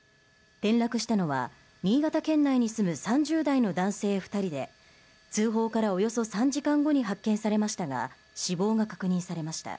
転落したのは新潟県内に住む３０代の男性２人で、通報からおよそ３時間後に発見されましたが死亡が確認されました。